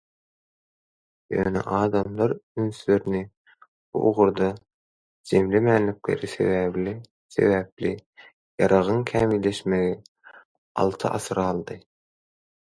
Ýöne adamlar ünslerini bu ugurda jemlemänlikleri sebäpli ýaragyň kämilleşmegi alty asyr aldy.